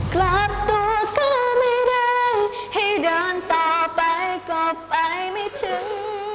กลับตัวก็ไม่ได้ให้เดินต่อไปก็ไปไม่ถึง